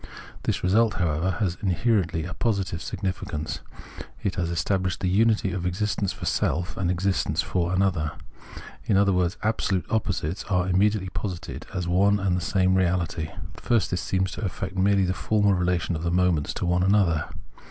This result, however, has inherently a positive significance ; it has established the unity of existence for self, and existence for another ; in other words, absolute oppo sites are immediately posited as one and the same reality. At first this seems to affect merely the formal relation of the moments to one another.